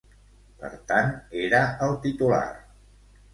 Per tant, era el titular.